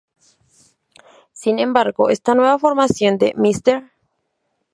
Sin embargo, esta nueva formación de Mr.